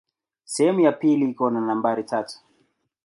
Sehemu ya pili iko na nambari tatu.